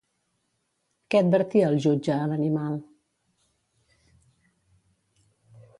Què advertia el jutge a l'animal?